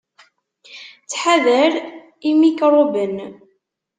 Ttḥadar imikṛuben!.